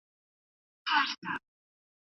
امن ژوند د خلکو ترمنځ اعتماد او همکاري زیاتوي.